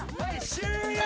終了。